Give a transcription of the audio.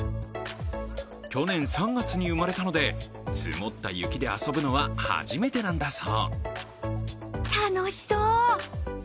去年３月に生まれたので積もった雪で遊ぶのは初めてなんだそう。